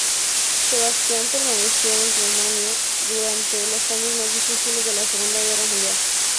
Sebastian permaneció en Rumanía durante los años más difíciles de la Segunda Guerra Mundial.